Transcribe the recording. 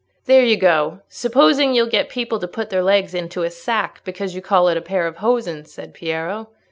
"There you go, supposing you'll get people to put their legs into a sack because you call it a pair of hosen," said Piero.